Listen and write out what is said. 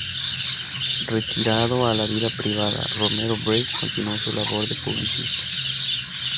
Retirado a la vida privada, Romero Brest continuó su labor de publicista.